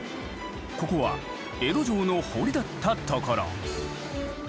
ここは江戸城の堀だった所。